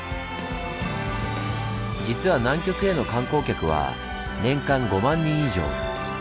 実は南極への観光客は年間５万人以上。